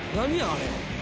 あれ。